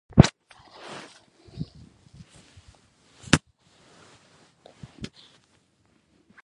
آیا دیوان خانه یا حجره د میلمنو ځای نه دی؟